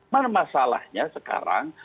mana masalahnya sekarang